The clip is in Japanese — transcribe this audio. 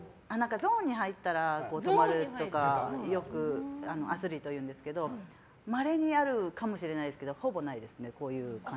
ゾーンに入ったら止まるとかよくアスリート言うんですけどまれにあるかもしれないですけどほぼないですね。